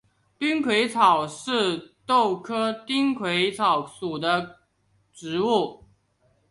丁癸草是豆科丁癸草属的植物。